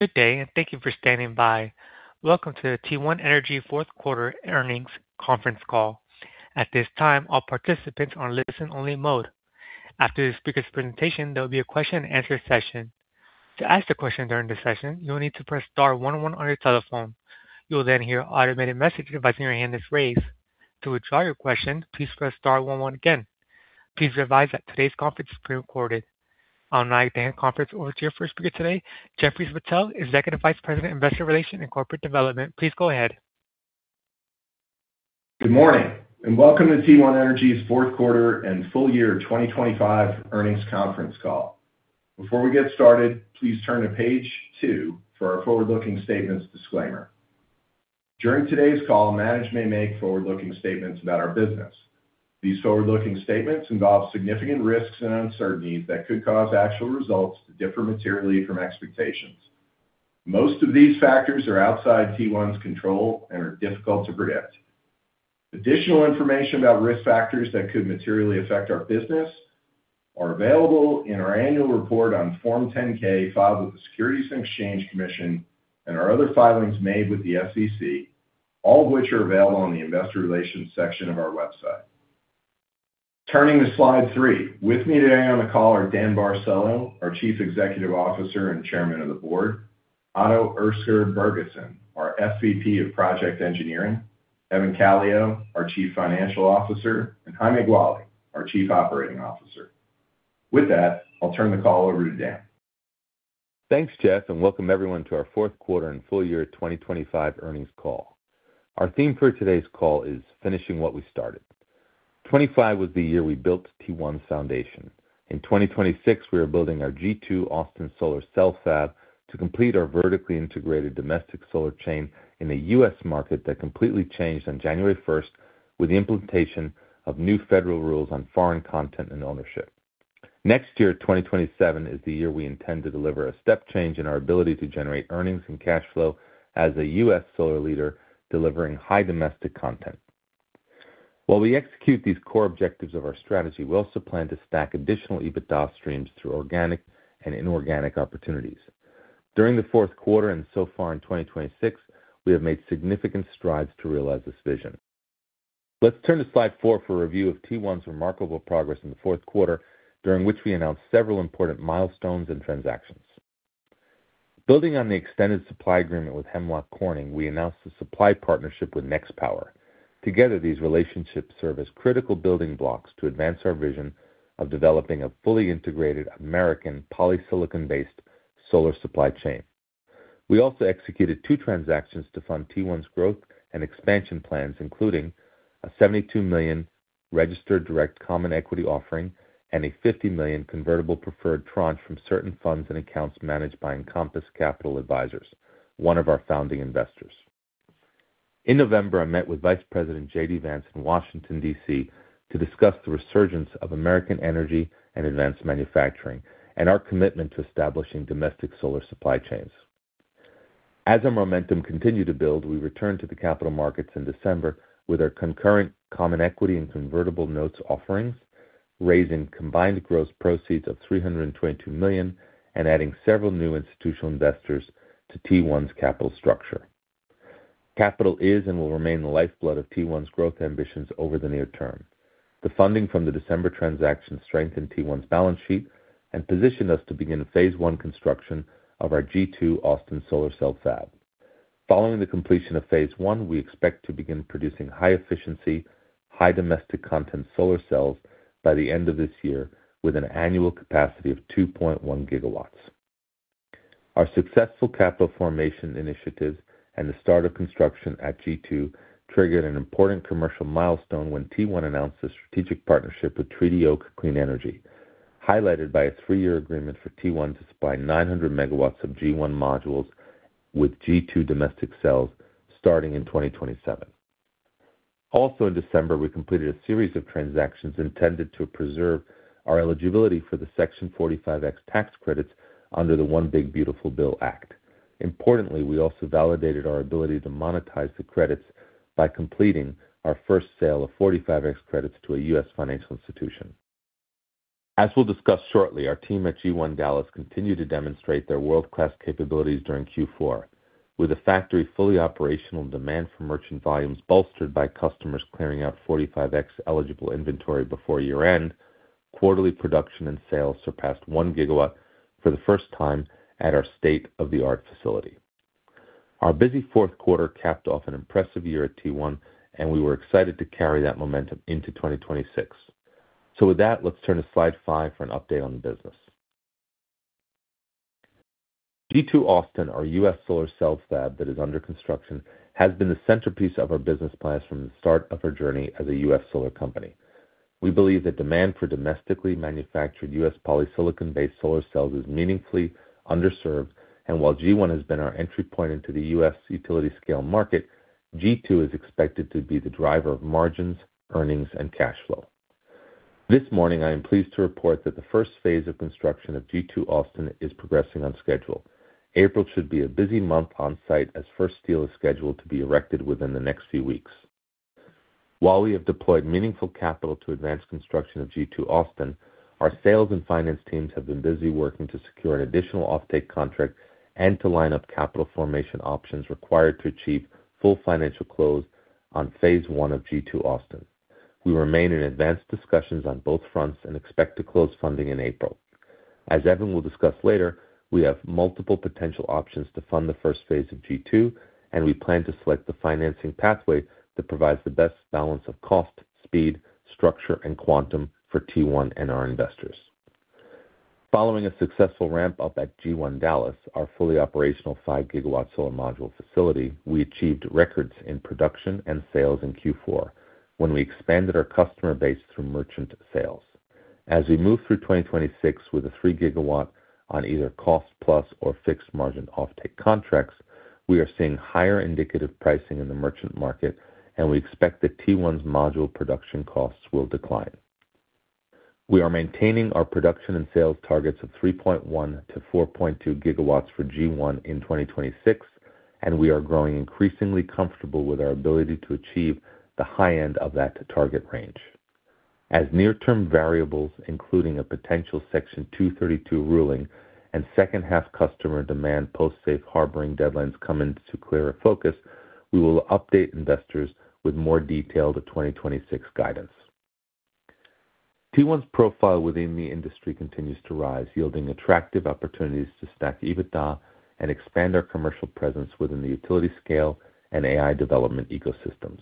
Good day, and thank you for standing by. Welcome to the T1 Energy Fourth Quarter Earnings Conference Call. At this time, all participants are in listen only mode. After the speaker's presentation, there'll be a question-and-answer session. To ask a question during the session, you'll need to press star one one on your telephone. You will then hear an automated message advising your hand is raised. To withdraw your question, please press star one one again. Please be advised that today's conference is being recorded. I'll now hand the conference over to your first speaker today, Jeffrey Spittel, Executive Vice President, Investor Relations and Corporate Development. Please go ahead. Good morning, and welcome to T1 Energy's fourth quarter and full-year 2025 earnings conference call. Before we get started, please turn to Page two for our forward-looking statements disclaimer. During today's call, management may make forward-looking statements about our business. These forward-looking statements involve significant risks and uncertainties that could cause actual results to differ materially from expectations. Most of these factors are outside T1's control and are difficult to predict. Additional information about risk factors that could materially affect our business are available in our annual report on Form 10-K filed with the Securities and Exchange Commission and our other filings made with the SEC, all of which are available on the Investor Relations section of our website. Turning to Slide three. With me today on the call are Dan Barcelo, our Chief Executive Officer and Chairman of the Board, Otto Erster Bergesen, our SVP of Project Engineering, Evan Calio, our Chief Financial Officer, and Jaime Gualy, our Chief Operating Officer. With that, I'll turn the call over to Dan. Thanks, Jeff, and welcome everyone to our fourth quarter and full-year 2025 earnings call. Our theme for today's call is Finishing What We Started. 2025 was the year we built T1's foundation. In 2026, we are building our G2_Austin Solar Cell Fab to complete our vertically integrated domestic solar chain in the U.S. market that completely changed on January 1 with the implementation of new federal rules on foreign content and ownership. Next year, 2027, is the year we intend to deliver a step change in our ability to generate earnings and cash flow as a U.S. solar leader delivering high domestic content. While we execute these core objectives of our strategy, we also plan to stack additional EBITDA streams through organic and inorganic opportunities. During the fourth quarter and so far in 2026, we have made significant strides to realize this vision. Let's turn to Slide four for a review of T1's remarkable progress in the fourth quarter, during which we announced several important milestones and transactions. Building on the extended supply agreement with Hemlock Corning, we announced a supply partnership with Nextpower. Together, these relationships serve as critical building blocks to advance our vision of developing a fully integrated American polysilicon-based solar supply chain. We also executed two transactions to fund T1's growth and expansion plans, including a $72 million registered direct common equity offering and a $50 million convertible preferred tranche from certain funds and accounts managed by Encompass Capital Advisors, one of our founding investors. In November, I met with Vice President JD Vance in Washington, D.C. to discuss the resurgence of American energy and advanced manufacturing and our commitment to establishing domestic solar supply chains. As our momentum continued to build, we returned to the capital markets in December with our concurrent common equity and convertible notes offerings, raising combined gross proceeds of $322 million and adding several new institutional investors to T1's capital structure. Capital is and will remain the lifeblood of T1's growth ambitions over the near term. The funding from the December transaction strengthened T1's balance sheet and positioned us to begin phase I construction of our G2_Austin Solar Cell Fab. Following the completion of phase I, we expect to begin producing high efficiency, high domestic content solar cells by the end of this year with an annual capacity of 2.1 GW. Our successful capital formation initiatives and the start of construction at G2 triggered an important commercial milestone when T1 announced a strategic partnership with Treaty Oak Clean Energy, highlighted by a three year agreement for T1 to supply 900 MW of G1 modules with G2 domestic cells starting in 2027. Also in December, we completed a series of transactions intended to preserve our eligibility for the Section 45X tax credits under the One Big Beautiful Bill Act. Importantly, we also validated our ability to monetize the credits by completing our first sale of 45X credits to a U.S. financial institution. As we'll discuss shortly, our team at G1_Dallas continued to demonstrate their world-class capabilities during Q4. With the factory fully operational, demand for merchant volumes bolstered by customers clearing out 45X eligible inventory before year-end, quarterly production and sales surpassed 1 GW for the first time at our state-of-the-art facility. Our busy fourth quarter capped off an impressive year at T1, and we were excited to carry that momentum into 2026. With that, let's turn to Slide five for an update on the business. G2_Austin, our U.S. solar cell fab that is under construction, has been the centerpiece of our business plans from the start of our journey as a U.S. solar company. We believe that demand for domestically manufactured U.S. polysilicon-based solar cells is meaningfully underserved, and while G1 has been our entry point into the U.S. utility-scale market, G2 is expected to be the driver of margins, earnings, and cash flow. This morning, I am pleased to report that the first phase of construction of G2_Austin is progressing on schedule. April should be a busy month on-site as first steel is scheduled to be erected within the next few weeks. While we have deployed meaningful capital to advance construction of G2_Austin, our sales and finance teams have been busy working to secure an additional offtake contract and to line up capital formation options required to achieve full financial close on phase I of G2_Austin. We remain in advanced discussions on both fronts and expect to close funding in April. As Evan will discuss later, we have multiple potential options to fund the first phase of G2, and we plan to select the financing pathway that provides the best balance of cost, speed, structure, and quantum for T1 and our investors. Following a successful ramp up at G1_Dallas, our fully operational 5 GW solar module facility, we achieved records in production and sales in Q4 when we expanded our customer base through merchant sales. As we move through 2026 with a 3 GW on either cost plus or fixed margin offtake contracts, we are seeing higher indicative pricing in the merchant market, and we expect that T1's module production costs will decline. We are maintaining our production and sales targets of 3.1 GW-4.2 GW for G1 in 2026, and we are growing increasingly comfortable with our ability to achieve the high end of that target range. As near-term variables, including a potential Section 232 ruling and second-half customer demand post safe harboring deadlines come into clearer focus, we will update investors with more detailed 2026 guidance. T1's profile within the industry continues to rise, yielding attractive opportunities to stack EBITDA and expand our commercial presence within the utility-scale and AI development ecosystems.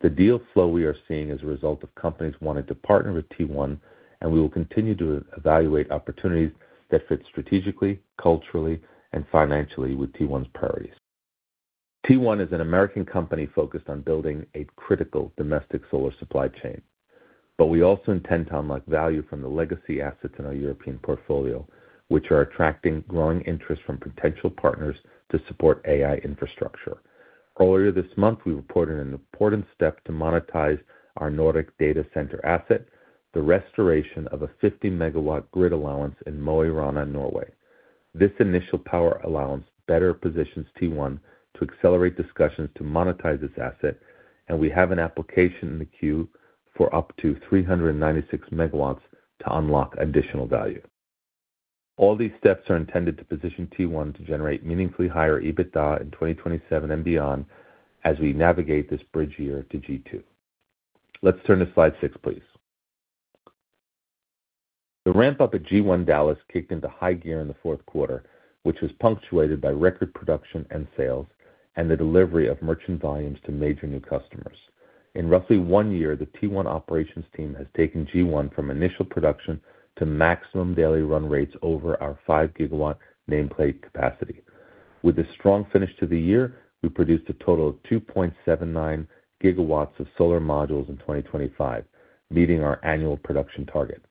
The deal flow we are seeing is a result of companies wanting to partner with T1, and we will continue to evaluate opportunities that fit strategically, culturally, and financially with T1's priorities. T1 is an American company focused on building a critical domestic solar supply chain. We also intend to unlock value from the legacy assets in our European portfolio, which are attracting growing interest from potential partners to support AI infrastructure. Earlier this month, we reported an important step to monetize our Nordic data center asset, the restoration of a 50-MW grid allowance in Mo i Rana, Norway. This initial power allowance better positions T1 to accelerate discussions to monetize this asset, and we have an application in the queue for up to 396 MW to unlock additional value. All these steps are intended to position T1 to generate meaningfully higher EBITDA in 2027 and beyond as we navigate this bridge year to G2. Let's turn to Slide six, please. The ramp up at G1_Dallas kicked into high gear in the fourth quarter, which was punctuated by record production and sales and the delivery of merchant volumes to major new customers. In roughly one year, the T1 operations team has taken G1 from initial production to maximum daily run rates over our 5 GW nameplate capacity. With a strong finish to the year, we produced a total of 2.79 GW of solar modules in 2025, meeting our annual production target.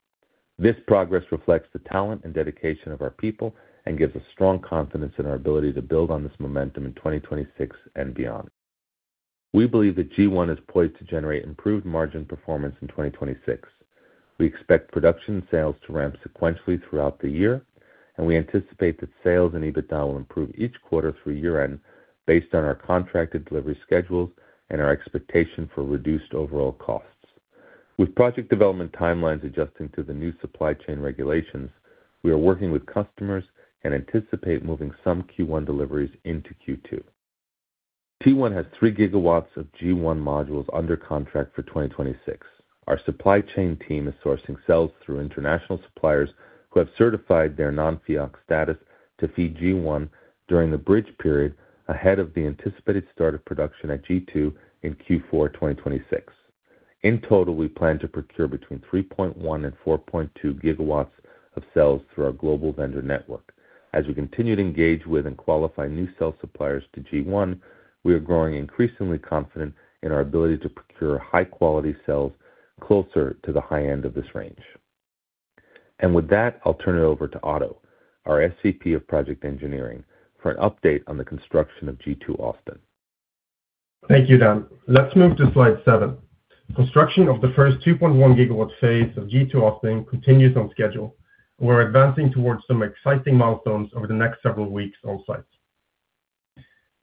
This progress reflects the talent and dedication of our people and gives us strong confidence in our ability to build on this momentum in 2026 and beyond. We believe that G1 is poised to generate improved margin performance in 2026. We expect production sales to ramp sequentially throughout the year, and we anticipate that sales and EBITDA will improve each quarter through year-end based on our contracted delivery schedules and our expectation for reduced overall costs. With project development timelines adjusting to the new supply chain regulations, we are working with customers and anticipate moving some Q1 deliveries into Q2. T1 has 3 GW of G1 modules under contract for 2026. Our supply chain team is sourcing cells through international suppliers who have certified their non-FEOC status to feed G1 during the bridge period ahead of the anticipated start of production at G2 in Q4 2026. In total, we plan to procure between 3.1 GW and 4.2 GW of cells through our global vendor network. As we continue to engage with and qualify new cell suppliers to G1, we are growing increasingly confident in our ability to procure high-quality cells closer to the high end of this range. With that, I'll turn it over to Otto, our SVP of Project Engineering, for an update on the construction of G2_Austin. Thank you, Dan. Let's move to Slide seven. Construction of the first 2.1-GW phase of G2_Austin continues on schedule. We're advancing towards some exciting milestones over the next several weeks on site.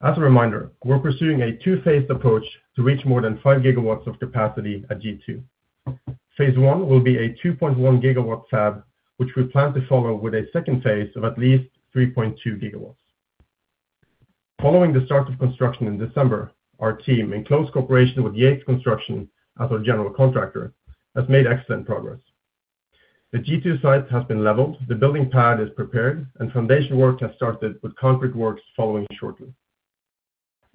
As a reminder, we're pursuing a two-phased approach to reach more than 5 GW of capacity at G2. Phase I will be a 2.1-GW fab, which we plan to follow with a second phase of at least 3.2 GW. Following the start of construction in December, our team, in close cooperation with Yates Construction as our general contractor, has made excellent progress. The G2 site has been leveled, the building pad is prepared, and foundation work has started with concrete works following shortly.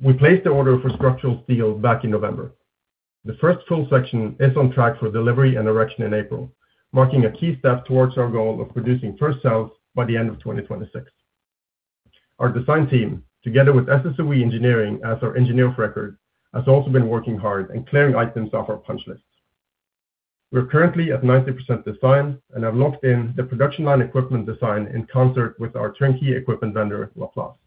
We placed the order for structural steel back in November. The first full section is on track for delivery and erection in April, marking a key step towards our goal of producing first cells by the end of 2026. Our design team, together with SSOE Engineering as our engineer of record, has also been working hard and clearing items off our punch lists. We're currently at 90% design and have locked in the production line equipment design in concert with our turnkey equipment vendor, LAPLACE.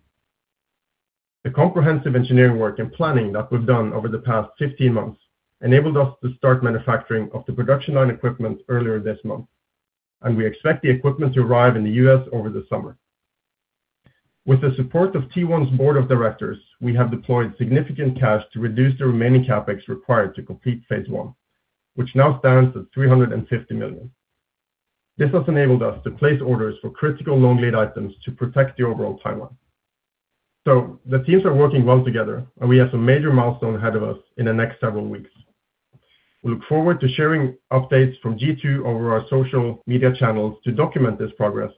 The comprehensive engineering work and planning that we've done over the past 15 months enabled us to start manufacturing of the production line equipment earlier this month, and we expect the equipment to arrive in the U.S. over the summer. With the support of T1's board of directors, we have deployed significant cash to reduce the remaining CapEx required to complete phase I, which now stands at $350 million. This has enabled us to place orders for critical long lead items to protect the overall timeline. The teams are working well together, and we have some major milestones ahead of us in the next several weeks. We look forward to sharing updates from G2 over our social media channels to document this progress.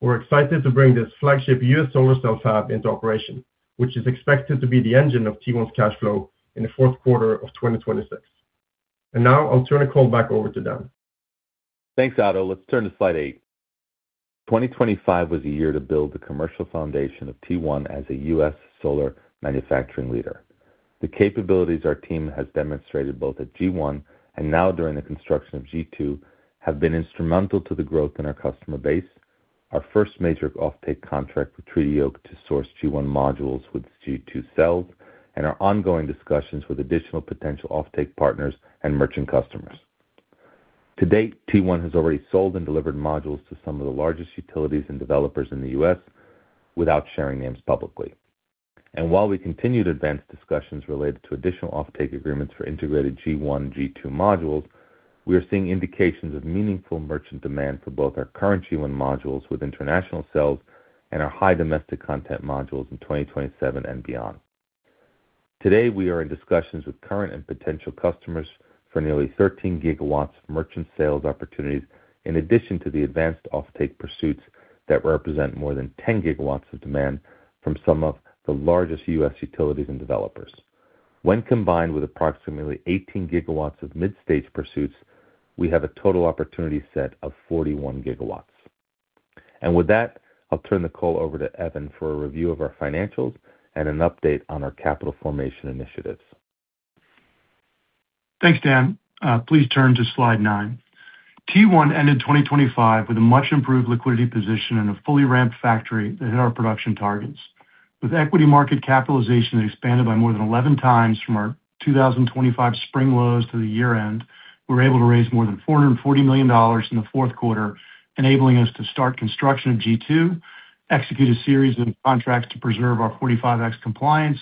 We're excited to bring this flagship U.S. solar cell fab into operation, which is expected to be the engine of T1's cash flow in the fourth quarter of 2026. Now I'll turn the call back over to Dan. Thanks, Otto. Let's turn to Slide eight. 2025 was a year to build the commercial foundation of T1 as a U.S. solar manufacturing leader. The capabilities our team has demonstrated both at G1 and now during the construction of G2 have been instrumental to the growth in our customer base. Our first major offtake contract with Treaty Oak to source G1 modules with G2 cells, and our ongoing discussions with additional potential offtake partners and merchant customers. To date, T1 has already sold and delivered modules to some of the largest utilities and developers in the U.S. without sharing names publicly. While we continue to advance discussions related to additional offtake agreements for integrated G1, G2 modules, we are seeing indications of meaningful merchant demand for both our current G1 modules with international cells and our high domestic content modules in 2027 and beyond. Today, we are in discussions with current and potential customers for nearly 13 GW of merchant sales opportunities in addition to the advanced offtake pursuits that represent more than 10 GW of demand from some of the largest U.S. utilities and developers. When combined with approximately 18 GW of mid-stage pursuits, we have a total opportunity set of 41 GW. With that, I'll turn the call over to Evan for a review of our financials and an update on our capital formation initiatives. Thanks, Dan. Please turn to Slide nine. T1 ended 2025 with a much improved liquidity position and a fully ramped factory that hit our production targets. With equity market capitalization expanded by more than 11x from our 2025 spring lows to the year-end, we were able to raise more than $440 million in the fourth quarter, enabling us to start construction of G2, execute a series of contracts to preserve our 45X compliance,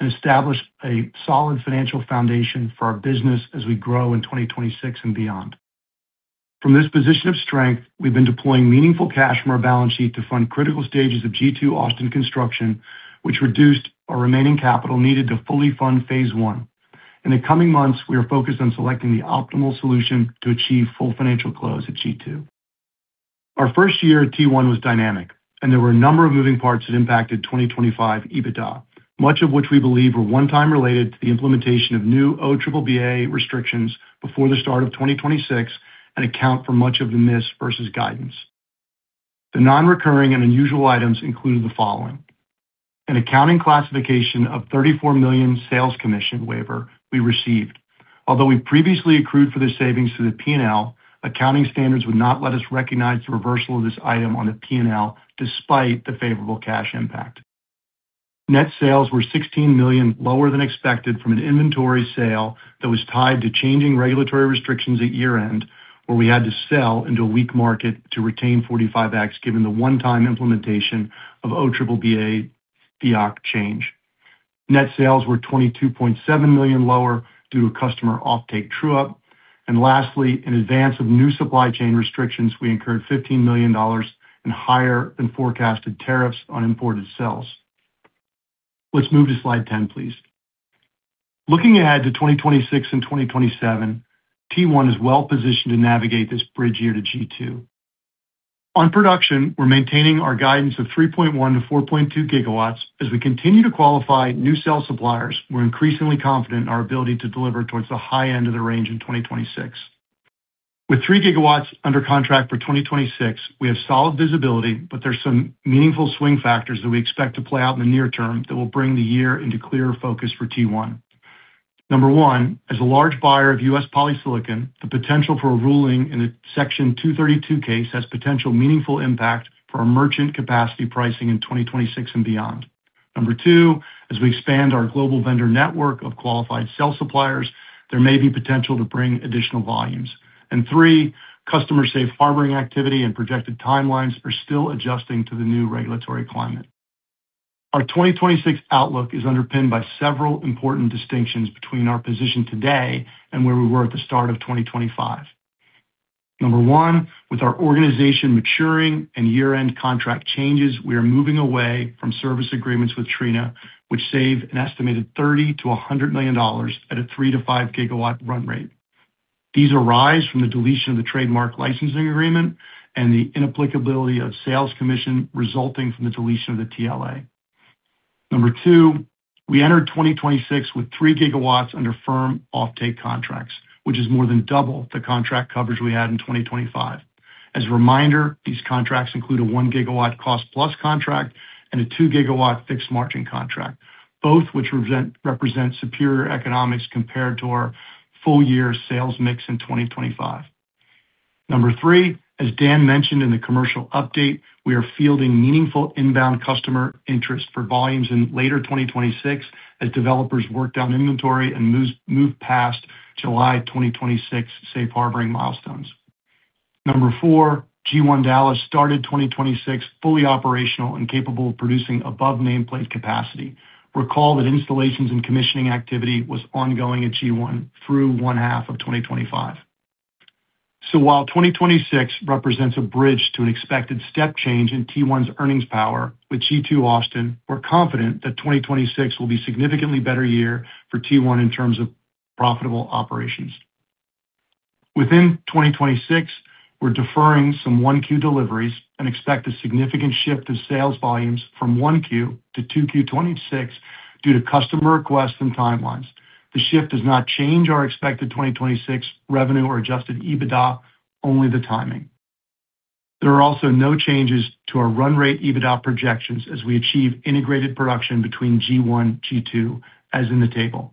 and establish a solid financial foundation for our business as we grow in 2026 and beyond. From this position of strength, we've been deploying meaningful cash from our balance sheet to fund critical stages of G2_Austin construction, which reduced our remaining capital needed to fully fund phase I. In the coming months, we are focused on selecting the optimal solution to achieve full financial close at G2. Our first year at T1 was dynamic, and there were a number of moving parts that impacted 2025 EBITDA, much of which we believe were one-time related to the implementation of new OBBBA restrictions before the start of 2026, and account for much of the miss versus guidance. The non-recurring and unusual items included the following. An accounting classification of $34 million sales commission waiver we received. Although we previously accrued for this savings to the P&L, accounting standards would not let us recognize the reversal of this item on the P&L despite the favorable cash impact. Net sales were $16 million lower than expected from an inventory sale that was tied to changing regulatory restrictions at year-end, where we had to sell into a weak market to retain 45X given the one-time implementation of OBBBA FEOC change. Net sales were $22.7 million lower due to customer offtake true-up. Lastly, in advance of new supply chain restrictions, we incurred $15 million in higher-than-forecasted tariffs on imported cells. Let's move to Slide 10, please. Looking ahead to 2026 and 2027, T1 is well positioned to navigate this bridge year to G2. On production, we're maintaining our guidance of 3.1 GW-4.2 GW. As we continue to qualify new cell suppliers, we're increasingly confident in our ability to deliver towards the high end of the range in 2026. With 3 GW under contract for 2026, we have solid visibility, but there's some meaningful swing factors that we expect to play out in the near term that will bring the year into clearer focus for T1. Number one, as a large buyer of U.S. polysilicon, the potential for a ruling in a Section 232 case has potential meaningful impact for our merchant capacity pricing in 2026 and beyond. Number two, as we expand our global vendor network of qualified cell suppliers, there may be potential to bring additional volumes. And three, customer safe harboring activity and projected timelines are still adjusting to the new regulatory climate. Our 2026 outlook is underpinned by several important distinctions between our position today and where we were at the start of 2025. Number one, with our organization maturing and year-end contract changes, we are moving away from service agreements with Trina, which save an estimated $30 million-$100 million at a 3 GW-5 GW run rate. These arise from the deletion of the trademark licensing agreement and the inapplicability of sales commission resulting from the deletion of the TLA. Number two, we entered 2026 with 3 GW under firm offtake contracts, which is more than double the contract coverage we had in 2025. As a reminder, these contracts include a 1 GW cost plus contract and a 2 GW fixed margin contract, both which represent superior economics compared to our full-year sales mix in 2025. Number three, as Dan mentioned in the commercial update, we are fielding meaningful inbound customer interest for volumes in later 2026 as developers work down inventory and move past July 2026 safe harboring milestones. Number four, G1_Dallas started 2026 fully operational and capable of producing above nameplate capacity. Recall that installations and commissioning activity was ongoing at G1 through one half of 2025. While 2026 represents a bridge to an expected step change in T1's earnings power with G2_Austin, we're confident that 2026 will be significantly better year for T1 in terms of profitable operations. Within 2026, we're deferring some 1Q deliveries and expect a significant shift of sales volumes from 1Q to 2Q 2026 due to customer requests and timelines. The shift does not change our expected 2026 revenue or adjusted EBITDA, only the timing. There are also no changes to our run rate EBITDA projections as we achieve integrated production between G1, G2 as in the table.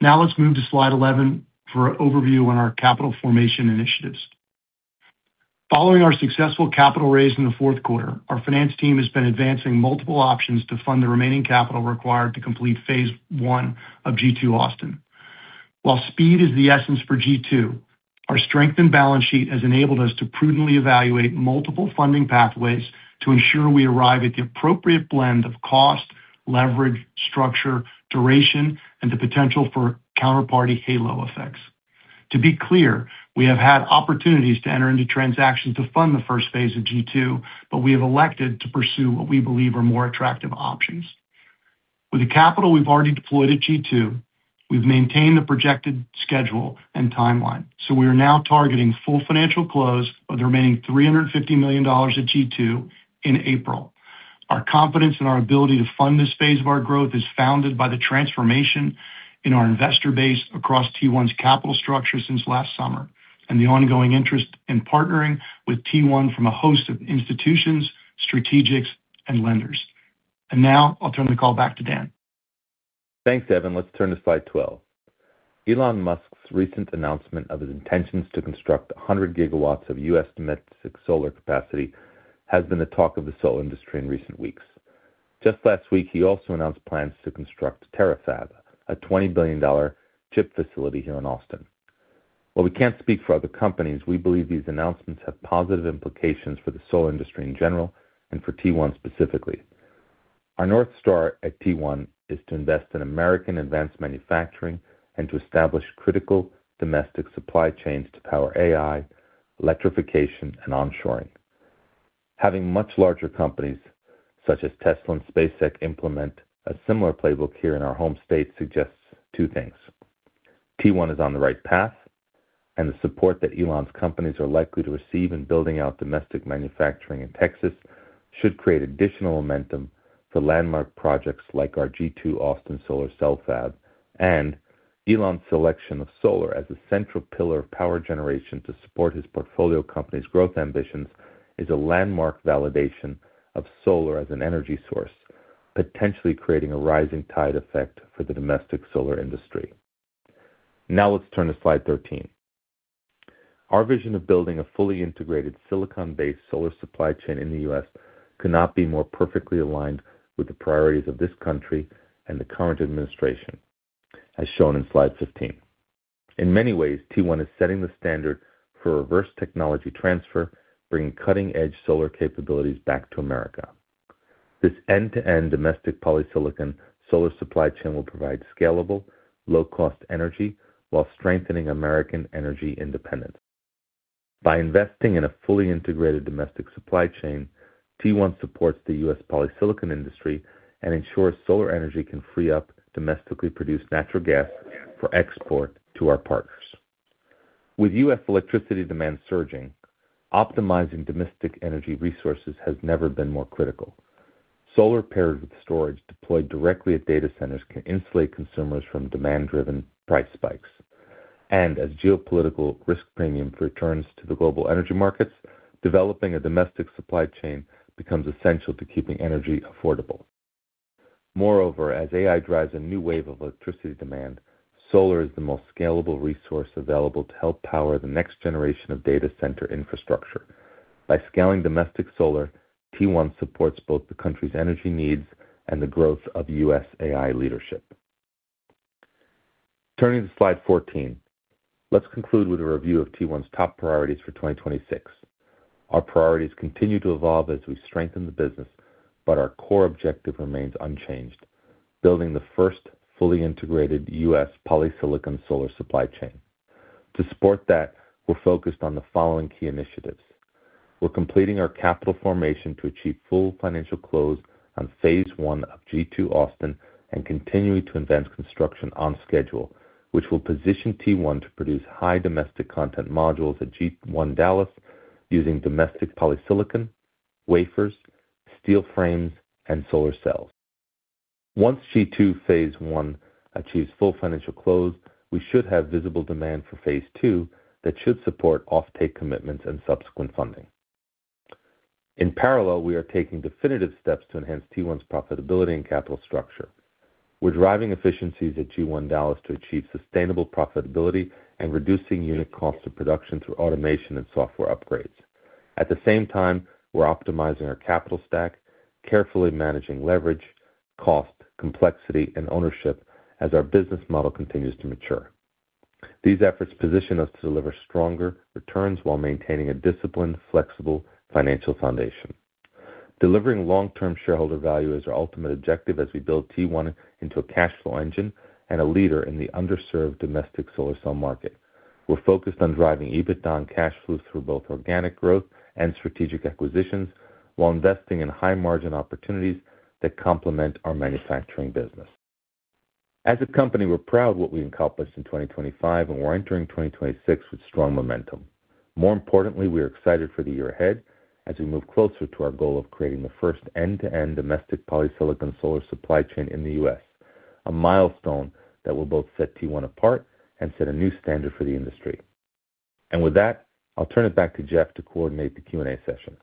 Now let's move to Slide 11 for overview on our capital formation initiatives. Following our successful capital raise in the fourth quarter, our finance team has been advancing multiple options to fund the remaining capital required to complete phase I of G2_Austin. While speed is the essence for G2, our strength and balance sheet has enabled us to prudently evaluate multiple funding pathways to ensure we arrive at the appropriate blend of cost, leverage, structure, duration, and the potential for counterparty halo effects. To be clear, we have had opportunities to enter into transactions to fund the first phase of G2, but we have elected to pursue what we believe are more attractive options. With the capital we've already deployed at G2, we've maintained the projected schedule and timeline, so we are now targeting full financial close of the remaining $350 million at G2 in April. Our confidence in our ability to fund this phase of our growth is fueled by the transformation in our investor base across T1's capital structure since last summer, and the ongoing interest in partnering with T1 from a host of institutions, strategics, and lenders. Now I'll turn the call back to Dan. Thanks, Evan. Let's turn to Slide 12. Elon Musk's recent announcement of his intentions to construct 100 GW of U.S. domestic solar capacity has been the talk of the solar industry in recent weeks. Just last week, he also announced plans to construct Terafab, a $20 billion chip facility here in Austin. While we can't speak for other companies, we believe these announcements have positive implications for the solar industry in general and for T1 specifically. Our North Star at T1 is to invest in American advanced manufacturing and to establish critical domestic supply chains to power AI, electrification, and onshoring. Having much larger companies such as Tesla and SpaceX implement a similar playbook here in our home state suggests two things. T1 is on the right path, and the support that Elon's companies are likely to receive in building out domestic manufacturing in Texas should create additional momentum for landmark projects like our G2_Austin Solar Cell Fab. Elon's selection of solar as a central pillar of power generation to support his portfolio company's growth ambitions is a landmark validation of solar as an energy source, potentially creating a rising tide effect for the domestic solar industry. Now let's turn to Slide 13. Our vision of building a fully integrated silicon-based solar supply chain in the U.S. could not be more perfectly aligned with the priorities of this country and the current administration, as shown in Slide 15. In many ways, T1 is setting the standard for reverse technology transfer, bringing cutting-edge solar capabilities back to America. This end-to-end domestic polysilicon solar supply chain will provide scalable, low-cost energy while strengthening American energy independence. By investing in a fully integrated domestic supply chain, T1 supports the U.S. polysilicon industry and ensures solar energy can free up domestically produced natural gas for export to our partners. With U.S. electricity demand surging, optimizing domestic energy resources has never been more critical. Solar paired with storage deployed directly at data centers can insulate consumers from demand-driven price spikes. As geopolitical risk premium returns to the global energy markets, developing a domestic supply chain becomes essential to keeping energy affordable. Moreover, as AI drives a new wave of electricity demand, solar is the most scalable resource available to help power the next generation of data center infrastructure. By scaling domestic solar, T1 supports both the country's energy needs and the growth of U.S. AI leadership. Turning to Slide 14, let's conclude with a review of T1's top priorities for 2026. Our priorities continue to evolve as we strengthen the business, but our core objective remains unchanged, building the first fully integrated U.S. polysilicon solar supply chain. To support that, we're focused on the following key initiatives. We're completing our capital formation to achieve full financial close on phase I of G2_Austin and continuing to advance construction on schedule, which will position T1 to produce high domestic content modules at G1_Dallas using domestic polysilicon, wafers, steel frames, and solar cells. Once G2 phase I achieves full financial close, we should have visible demand for phase II that should support offtake commitments and subsequent funding. In parallel, we are taking definitive steps to enhance T1's profitability and capital structure. We're driving efficiencies at G1_Dallas to achieve sustainable profitability and reducing unit cost of production through automation and software upgrades. At the same time, we're optimizing our capital stack, carefully managing leverage, cost, complexity, and ownership as our business model continues to mature. These efforts position us to deliver stronger returns while maintaining a disciplined, flexible financial foundation. Delivering long-term shareholder value is our ultimate objective as we build T1 into a cash flow engine and a leader in the underserved domestic solar cell market. We're focused on driving EBITDA and cash flows through both organic growth and strategic acquisitions while investing in high-margin opportunities that complement our manufacturing business. As a company, we're proud of what we accomplished in 2025, and we're entering 2026 with strong momentum. More importantly, we are excited for the year ahead as we move closer to our goal of creating the first end-to-end domestic polysilicon solar supply chain in the U.S., a milestone that will both set T1 apart and set a new standard for the industry. With that, I'll turn it back to Jeff to coordinate the Q&A session.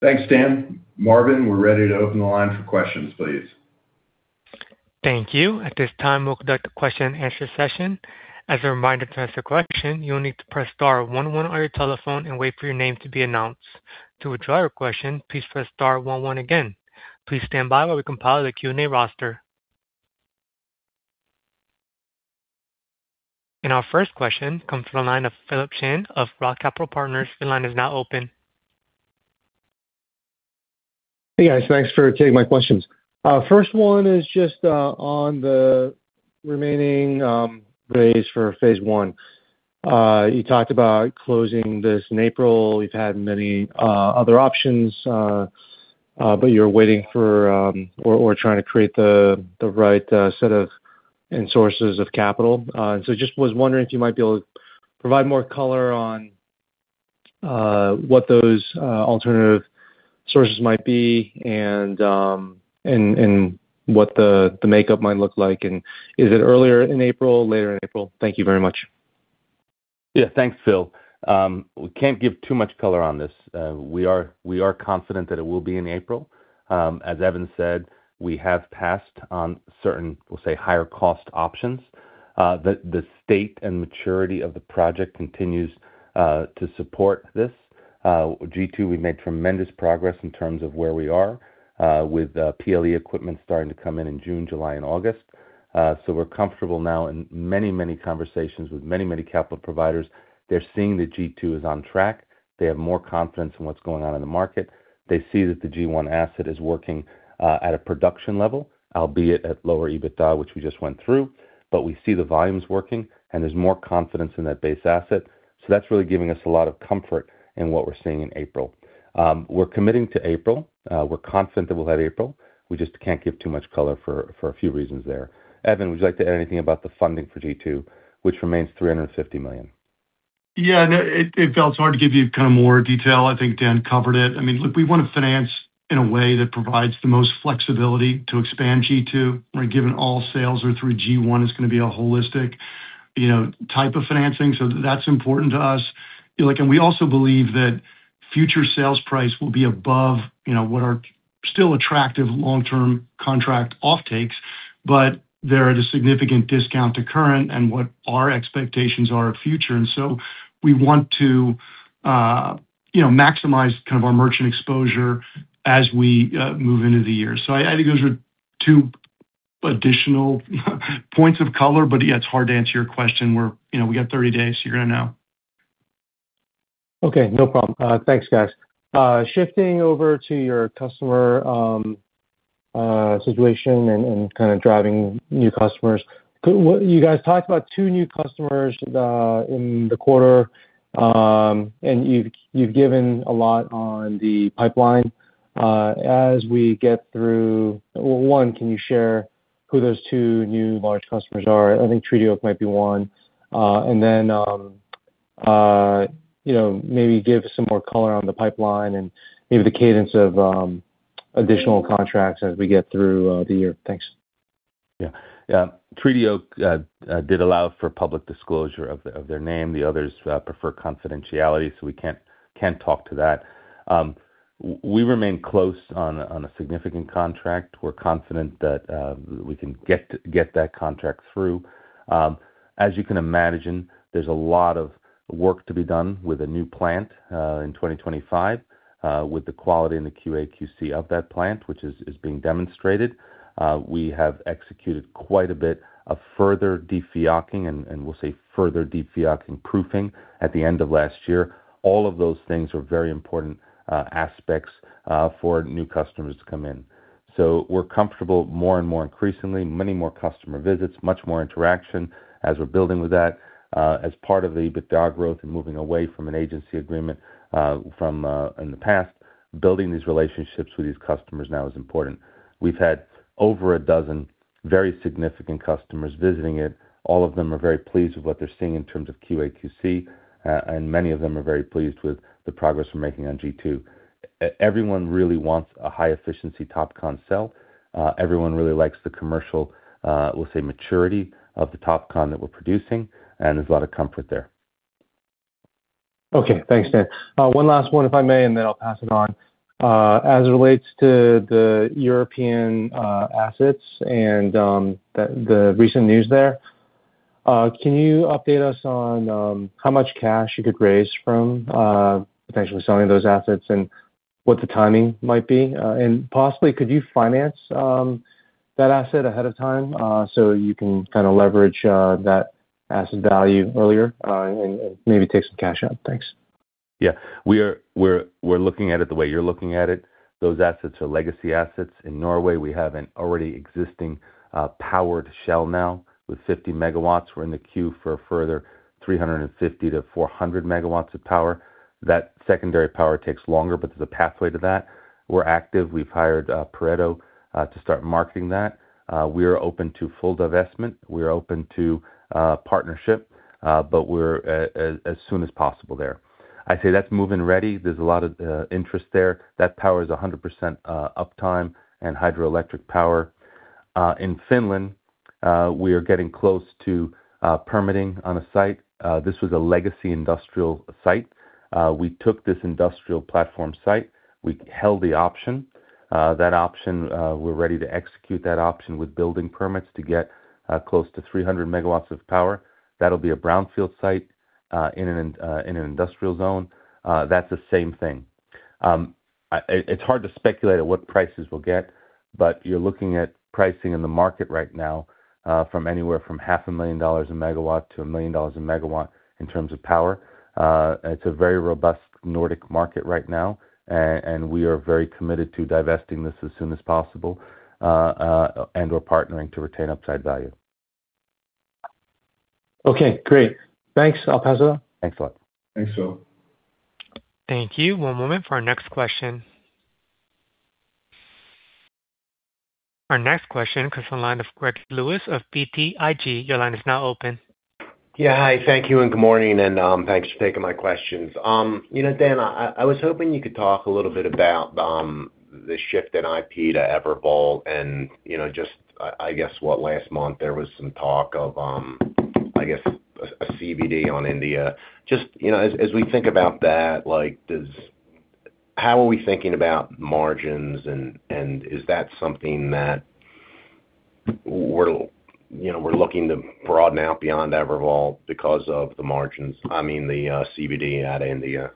Thanks, Dan. Marvin, we're ready to open the line for questions, please. Thank you. At this time, we'll conduct a question and answer session. As a reminder, to ask a question, you will need to press star one one on your telephone and wait for your name to be announced. To withdraw your question, please press star one one again. Please stand by while we compile the Q&A roster. Our first question comes from the line of Philip Shen of Roth Capital Partners. Your line is now open. Hey, guys. Thanks for taking my questions. First one is just on the remaining raise for phase I. You talked about closing this in April. You've had many other options, but you're waiting for or trying to create the right set of and sources of capital. So just was wondering if you might be able to provide more color on what those alternative sources might be and what the makeup might look like. Is it earlier in April, later in April? Thank you very much. Yeah. Thanks, Phil. We can't give too much color on this. We are confident that it will be in April. As Evan said, we have passed on certain, we'll say, higher cost options, that the state and maturity of the project continues, to support this. G2, we've made tremendous progress in terms of where we are, with PLE equipment starting to come in in June, July, and August. We're comfortable now in many, many conversations with many, many capital providers. They're seeing that G2 is on track. They have more confidence in what's going on in the market. They see that the G1 asset is working, at a production level, albeit at lower EBITDA, which we just went through. We see the volumes working, and there's more confidence in that base asset. That's really giving us a lot of comfort in what we're seeing in April. We're committing to April. We're confident that we'll hit April. We just can't give too much color for a few reasons there. Evan, would you like to add anything about the funding for G2, which remains $350 million? Yeah. No, Philip, it's hard to give you kind of more detail. I think Dan covered it. I mean, look, we wanna finance in a way that provides the most flexibility to expand G2, right? Given all sales are through G1, it's gonna be a holistic, you know, type of financing, so that's important to us. Feel like we also believe that future sales price will be above, you know, what are still attractive long-term contract off-takes, but they're at a significant discount to current and what our expectations are of future. We want to, you know, maximize kind of our merchant exposure as we move into the year. I think those are two additional points of color. But yeah, it's hard to answer your question. We're, you know, we got 30 days, so you're gonna know. Okay. No problem. Thanks, guys. Shifting over to your customer situation and kind of driving new customers. You guys talked about two new customers in the quarter, and you've given a lot on the pipeline. Well, one, can you share who those two new large customers are? I think Treaty Oak might be one. And then, you know, maybe give some more color on the pipeline and maybe the cadence of additional contracts as we get through the year. Thanks. Yeah. Treaty Oak did allow for public disclosure of their name. The others prefer confidentiality, so we can't talk about that. We remain close on a significant contract. We're confident that we can get that contract through. As you can imagine, there's a lot of work to be done with a new plant in 2025 with the quality and the QA/QC of that plant, which is being demonstrated. We have executed quite a bit of further de-FEOC-ing and we'll say further de-FEOC-ing proofing at the end of last year. All of those things are very important aspects for new customers to come in. We're comfortable more and more increasingly, many more customer visits, much more interaction as we're building with that, as part of the EBITDA growth and moving away from an agency agreement, from, in the past. Building these relationships with these customers now is important. We've had over a dozen very significant customers visiting it. All of them are very pleased with what they're seeing in terms of QA/QC, and many of them are very pleased with the progress we're making on G2. Everyone really wants a high-efficiency TOPCon cell. Everyone really likes the commercial, we'll say maturity of the TOPCon that we're producing, and there's a lot of comfort there. Okay. Thanks, Dan. One last one, if I may, and then I'll pass it on. As it relates to the European assets and the recent news there, can you update us on how much cash you could raise from potentially selling those assets and what the timing might be? And possibly could you finance that asset ahead of time so you can kind of leverage that asset value earlier and maybe take some cash out? Thanks. Yeah. We're looking at it the way you're looking at it. Those assets are legacy assets. In Norway, we have an already existing powered shell now with 50 MW. We're in the queue for a further 350 MW-400 MW of power. That secondary power takes longer, but there's a pathway to that. We're active. We've hired Pareto to start marketing that. We are open to full divestment. We are open to partnership, but we're as soon as possible there. I'd say that's move-in ready. There's a lot of interest there. That power is 100% uptime and hydroelectric power. In Finland, we are getting close to permitting on a site. This was a legacy industrial site. We took this industrial platform site. We held the option. That option, we're ready to execute that option with building permits to get close to 300 MW of power. That'll be a brownfield site in an industrial zone. That's the same thing. It's hard to speculate at what prices we'll get, but you're looking at pricing in the market right now from anywhere from $500,000 a megawatt to $1 million a megawatt in terms of power. It's a very robust Nordic market right now, and we are very committed to divesting this as soon as possible and/or partnering to retain upside value. Okay, great. Thanks, I'll pass it on. Thanks a lot. Thanks, Phil. Thank you. One moment for our next question. Our next question comes from the line of Greg Lewis of BTIG. Your line is now open. Yeah. Hi, thank you, and good morning, and thanks for taking my questions. You know, Dan, I was hoping you could talk a little bit about the shift in IP to Evervolt and you know, just I guess what last month there was some talk of, I guess a CVD on India. Just you know, as we think about that, like how are we thinking about margins and is that something that we're you know looking to broaden out beyond Evervolt because of the margins, I mean the CVD at India?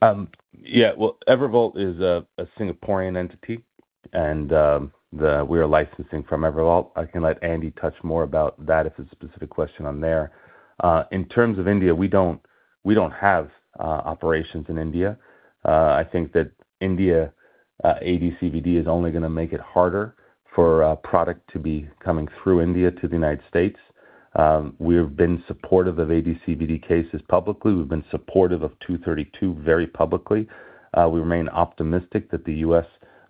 Well, Evervolt is a Singaporean entity, and we are licensing from Evervolt. I can let Andy touch more about that if it's a specific question on there. In terms of India, we don't have operations in India. I think that India AD/CVD is only gonna make it harder for product to be coming through India to the United States. We have been supportive of AD/CVD cases publicly. We've been supportive of Section 232 very publicly. We remain optimistic that the U.S.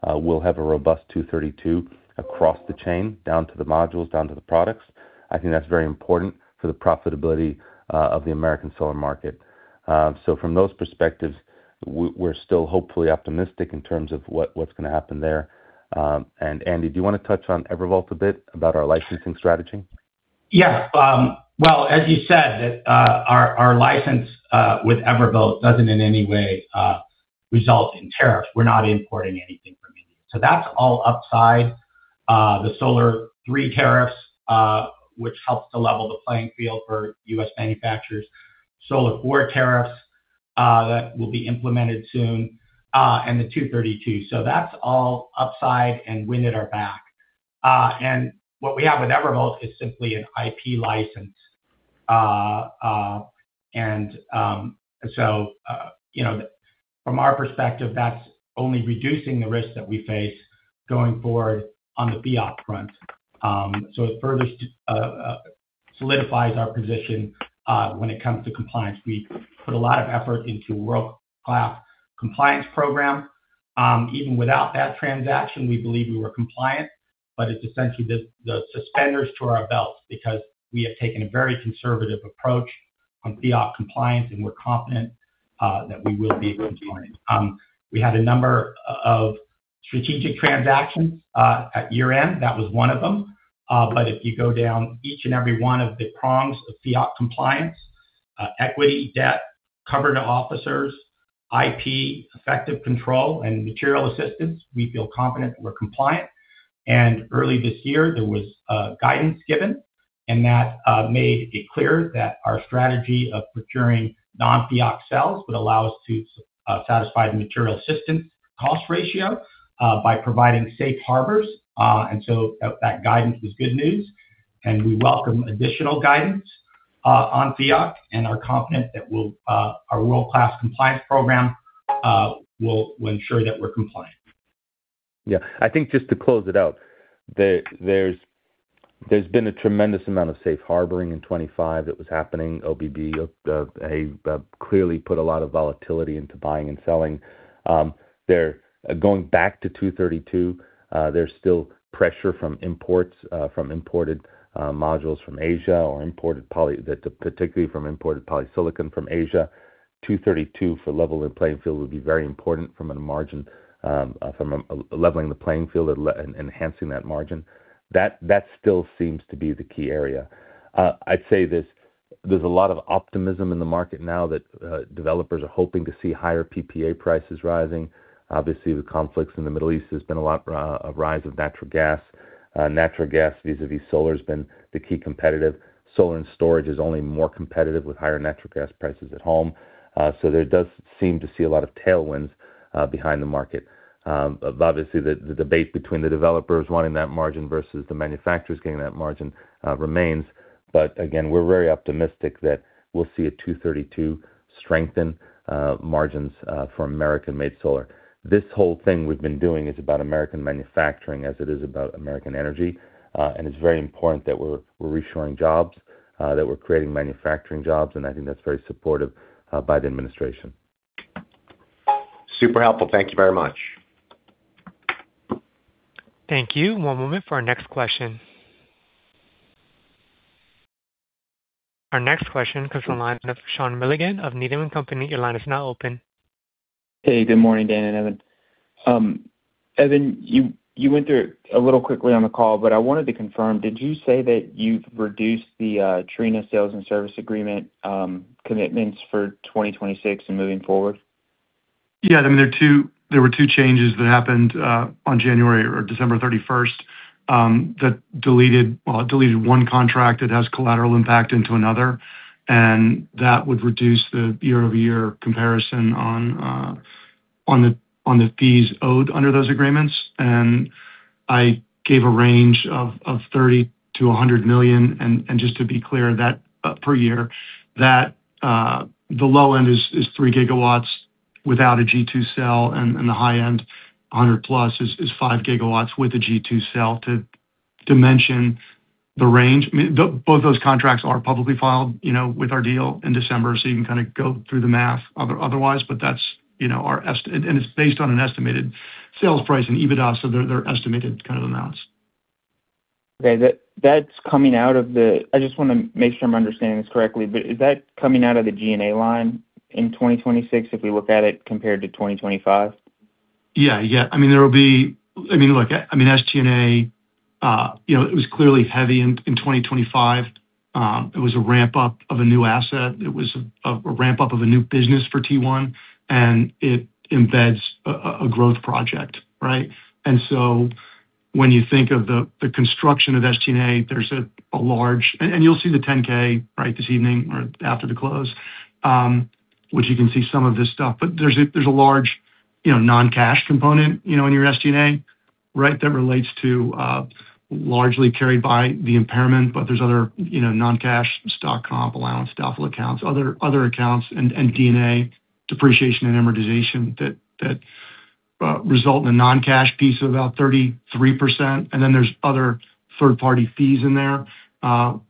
will have a robust Section 232 across the chain, down to the modules, down to the products. I think that's very important for the profitability of the American solar market. From those perspectives, we're still hopefully optimistic in terms of what's gonna happen there. Andy, do you wanna touch on Evervolt a bit about our licensing strategy? Yeah. Well, as you said, our license with Evervolt doesn't in any way result in tariffs. We're not importing anything from India. That's all upside. The [solar 3.0] tariffs, which help to level the playing field for U.S. manufacturers, [solar 4.0] tariffs that will be implemented soon, and the Section 232. That's all upside and wind at our back. What we have with Evervolt is simply an IP license. You know, from our perspective, that's only reducing the risks that we face going forward on the FEOC front. It further solidifies our position when it comes to compliance. We put a lot of effort into world-class compliance program. Even without that transaction, we believe we were compliant, but it's essentially the suspenders to our belts because we have taken a very conservative approach on FEOC compliance, and we're confident that we will be able to join. We had a number of strategic transactions at year-end. That was one of them. But if you go down each and every one of the prongs of FEOC compliance, equity, debt, covered officers, IP, effective control, and material assistance, we feel confident we're compliant. Early this year, there was guidance given, and that made it clear that our strategy of procuring non-FEOC cells would allow us to satisfy the material assistance cost ratio by providing safe harbors. That guidance was good news, and we welcome additional guidance on FEOC and are confident that our world-class compliance program will ensure that we're compliant. I think just to close it out, there's been a tremendous amount of safe harboring in 2025 that was happening. OBBBA clearly put a lot of volatility into buying and selling. They're going back to Section 232. There's still pressure from imports from imported modules from Asia or particularly from imported polysilicon from Asia. Section 232 for level of playing field would be very important from a margin from a leveling the playing field and enhancing that margin. That still seems to be the key area. I'd say. There's a lot of optimism in the market now that developers are hoping to see higher PPA prices rising. Obviously, with conflicts in the Middle East, there's been a lot of rise in natural gas. Natural gas vis-a-vis solar has been the key competitive. Solar and storage is only more competitive with higher natural gas prices at home. There does seem to be a lot of tailwinds behind the market. Obviously the debate between the developers wanting that margin versus the manufacturers getting that margin remains. Again, we're very optimistic that we'll see a Section 232 strengthen margins for American-made solar. This whole thing we've been doing is about American manufacturing as it is about American energy. It's very important that we're reshoring jobs that we're creating manufacturing jobs, and I think that's very supported by the administration. Super helpful. Thank you very much. Thank you. One moment for our next question. Our next question comes from the line of Sean Milligan of Needham & Company. Your line is now open. Hey, good morning, Dan and Evan. Evan, you went through a little quickly on the call, but I wanted to confirm, did you say that you've reduced the Trina sales and service agreement commitments for 2026 and moving forward? Yeah. I mean, there were two changes that happened on January or December 31st that deleted one contract that has collateral impact into another, and that would reduce the year-over-year comparison on the fees owed under those agreements. I gave a range of $30 million-$100 million, and just to be clear, that per year, the low end is 3 GW without a G2 cell, and the high end, $100+ million is 5 GW with a G2 cell to mention the range. I mean, both those contracts are publicly filed, you know, with our deal in December, so you can kinda go through the math otherwise. That's, you know, it's based on an estimated sales price and EBITDA, so they're estimated kind of amounts. I just wanna make sure I'm understanding this correctly. Is that coming out of the G&A line in 2026 if we look at it compared to 2025? Yeah. I mean, look, I mean, SG&A, you know, it was clearly heavy in 2025. It was a ramp-up of a new asset. It was a ramp-up of a new business for T1, and it embeds a growth project, right? When you think of the construction of SG&A, there's a large. You'll see the 10-K, right, this evening or after the close, which you can see some of this stuff. There's a large, you know, non-cash component, you know, in your SG&A, right? That relates to largely carried by the impairment, but there's other, you know, non-cash, stock comp, allowance, doubtful accounts, other accounts and D&A, depreciation and amortization that result in a non-cash piece of about 33%. Then there's other third-party fees in there,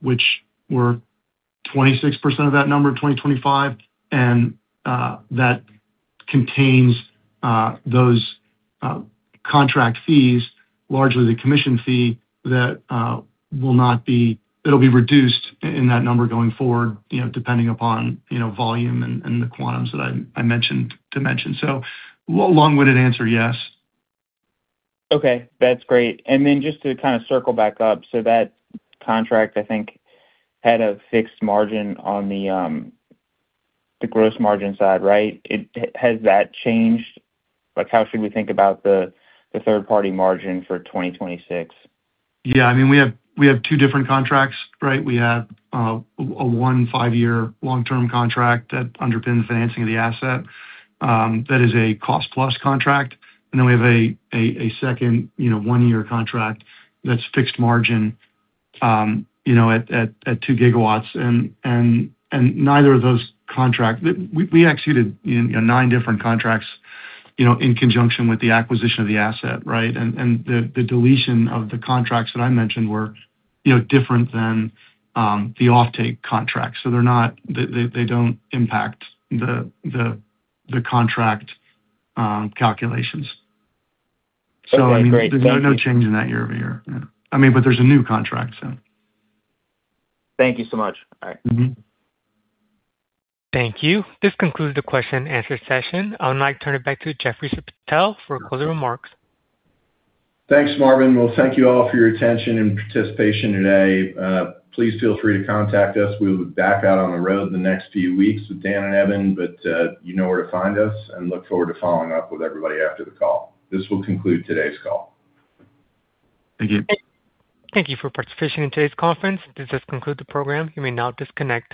which were 26% of that number in 2025. That contains those contract fees, largely the commission fee that it'll be reduced in that number going forward, you know, depending upon, you know, volume and the quantums that I mentioned dimension. Long-winded answer, yes. Okay, that's great. Just to kinda circle back up, so that contract, I think, had a fixed margin on the gross margin side, right? Has that changed? Like, how should we think about the third-party margin for 2026? Yeah. I mean, we have two different contracts, right? We have one five-year long-term contract that underpins the financing of the asset, that is a cost plus contract. We have a second, you know, 1-year contract that's fixed margin, you know, at 2 GW. We executed 9 different contracts in conjunction with the acquisition of the asset, right? The deletion of the contracts that I mentioned were different than the offtake contracts. They're not. They don't impact the contract calculations. Okay. Great. Thank you. I mean, there's no change in that year-over-year. Yeah. I mean, but there's a new contract, so. Thank you so much. All right. Mm-hmm. Thank you. This concludes the question and answer session. I would like to turn it back to Jeffrey Spittel for closing remarks. Thanks, Marvin. Well, thank you all for your attention and participation today. Please feel free to contact us. We'll be back out on the road in the next few weeks with Dan and Evan. You know where to find us, and look forward to following up with everybody after the call. This will conclude today's call. Thank you. Thank you for participating in today's conference. This does conclude the program. You may now disconnect.